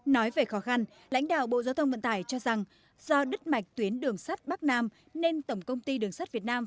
nói về khó khăn lãnh đạo bộ giao thông vận tải cho rằng do đứt mạch tuyến đường sắt bắc nam nên tổng công ty đường sắt việt nam